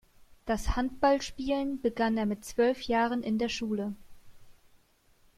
Das Handballspielen begann er mit zwölf Jahren in der Schule.